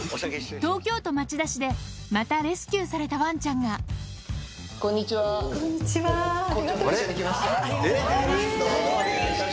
東京都町田市でまたレスキューされたワンちゃんがありがとうございます。